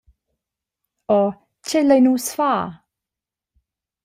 Oh, tgei lein nus far?